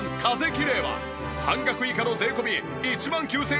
きれいは半額以下の税込１万９８００円！